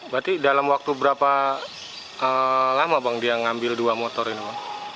berarti dalam waktu berapa lama bang dia ngambil dua motor ini bang